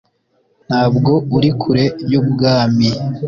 ntabwo uri kure y'ubwami